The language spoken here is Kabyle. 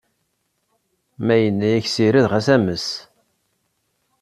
Ma yenna-ak ssired, xas ames.